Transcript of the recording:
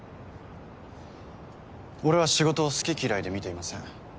俺は仕事を好き嫌いで見ていません。